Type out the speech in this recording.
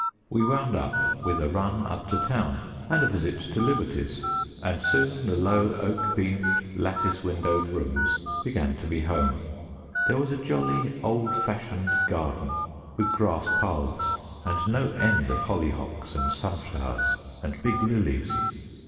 We wound up with a run up to town and a visit to Liberty's, and soon the low oak beamed lattice windowed rooms began to be home. There was a jolly old fashioned garden, with grass paths, and no end of hollyhocks and sunflowers, and big lilies.